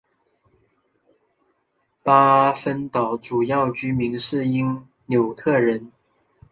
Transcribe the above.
巴芬岛主要居民是因纽特人。